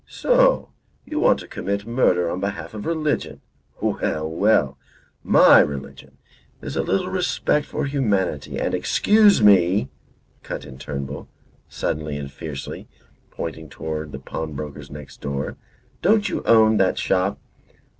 "So you want to commit murder on behalf of religion. Well, well my religion is a little respect for humanity, and " "Excuse me," cut in Turnbull, suddenly and fiercely, pointing towards the pawnbroker's next door. "Don't you own that shop?"